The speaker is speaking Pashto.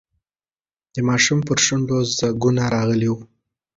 د ماشوم پر شونډو ځگونه راغلي وو.